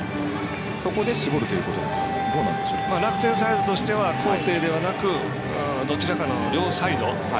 楽天サイドとしては高低ではなくどちらかの両サイド。